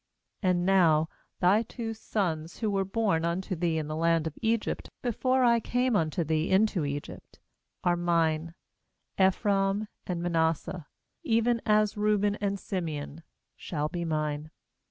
6And now thy two sons, who were born unto thee in the land of Egypt before I came un to thee into Egypt, are mine; Ephraim and Manasseh, even as Reuben and Simeon, shall be mine.